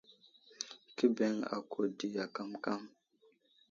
Kə bəŋ ako diya kamkam.